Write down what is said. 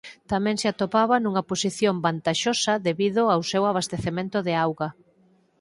Tamén se atopaba nunha posición vantaxosa debido ao seu abastecemento de auga.